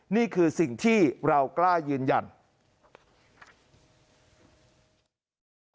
นี่คือสิ่งที่เรากล้ายืนยัน